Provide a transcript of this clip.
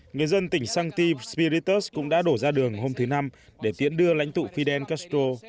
người dân tỉnh santi spiritus cũng đã đổ ra đường hôm thứ năm để tiễn đưa lãnh tụ fidel castro